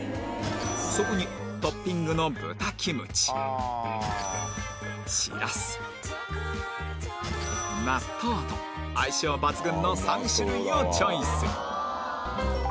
そこにトッピングの豚キムチしらす納豆と相性抜群の３種類をチョイス